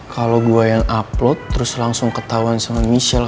kalo gue yang upload terus langsung ketauan sama michelle